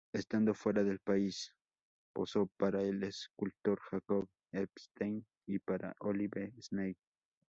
Estando fuera del país posó para el escultor Jacob Epstein y para Olive Snell.